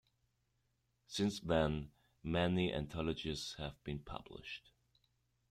Since then, many anthologies have been published.